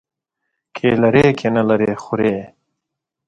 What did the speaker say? که لري، که نه لري، خوري.